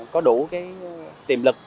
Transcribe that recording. có đủ tiềm lực